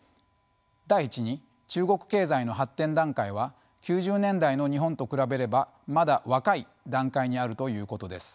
第１に中国経済の発展段階は９０年代の日本と比べればまだ「若い」段階にあるということです。